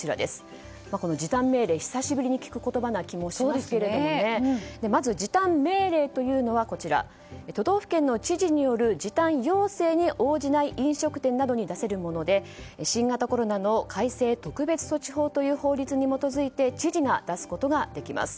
時短命令、久しぶりに聞く言葉な気もしますけどまず時短命令というのは都道府県の知事による時短要請に応じない飲食店などに出せるもので新型コロナの改正特別措置法という法律に基づいて知事が出すことができます。